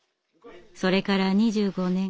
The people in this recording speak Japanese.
それから２５年。